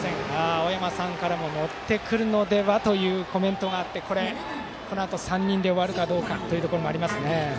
青山さんからも乗ってくるのではというコメントがあってこのあと３人で終わるかどうかというところですね。